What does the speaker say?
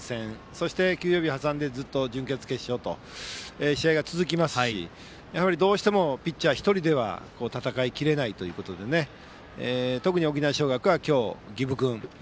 そして休養日挟んで準決勝、決勝と試合が続きますしどうしてもピッチャー１人では戦いきれないということで特に沖縄尚学は今日、儀部君。